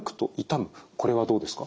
これはどうですか？